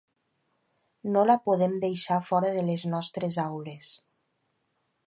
No la podem deixar fora de les nostres aules.